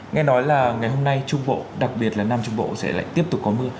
nghe nói là ngày hôm nay trung bộ đặc biệt là nam trung bộ sẽ lại tiếp tục có mưa